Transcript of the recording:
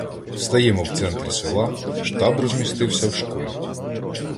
Стаємо в центрі села, штаб розмістився в школі.